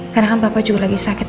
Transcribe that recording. karena kan papa juga lagi sakit